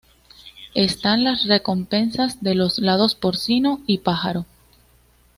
Están las recompensas de los lados porcino y pájaro.